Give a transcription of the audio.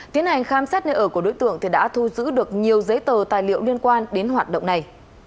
tiến hành khám xét nơi ở của đối tượng thì đã thu giữ được nhiều giấy tờ tài liệu liên quan đến hoạt động này